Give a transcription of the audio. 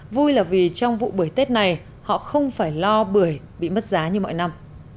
vui là vì trong vụ bưởi tết này họ không phải lo bưởi bị mất giá như mọi năm